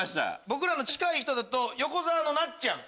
僕らの近い人だと横澤のなっちゃん。